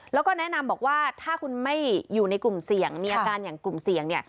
แล้วก็แนะนำบอกว่าถ้าคุณไม่อยู่ในกลุ่มเสี่ยงมีอาการอย่างกลุ่มเสี่ยงเนี่ย